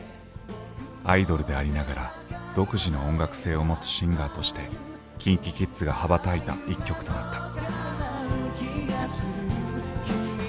アイドルでありながら独自の音楽性を持つシンガーとしてＫｉｎＫｉＫｉｄｓが羽ばたいた１曲となった。